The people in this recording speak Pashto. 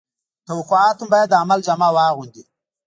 توقعات مو باید د عمل جامه واغوندي